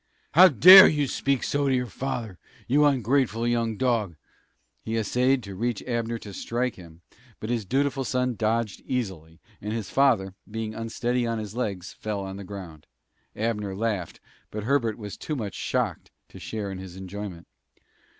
"How dare you speak so to your father, you ungrateful young dog!" He essayed to reach Abner to strike him, but his dutiful son dodged easily, and his father, being unsteady on his legs, fell on the ground. Abner laughed, but Herbert was too much shocked to share in his enjoyment.